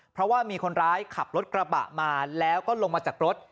เพราะว่ามีคนร้ายขับรถกระบะมาแล้วก็ลงมาจากรถ